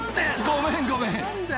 ごめんごめん。